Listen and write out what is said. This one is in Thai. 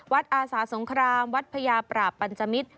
วัดอาสาสงครามวัดพระยาประปัญจมิตร